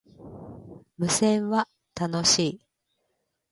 無線は、楽しい